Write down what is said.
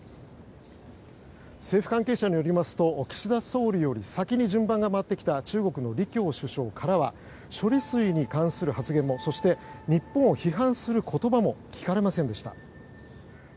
政府関係者によりますと岸田総理より先に順番が回ってきた中国の李強首相からは処理水に関する発言もそして日本を批判する言葉も聞かれませんでした。